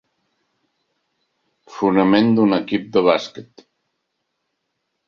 Fonament d'un equip de bàsquet.